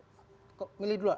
kok milih di luar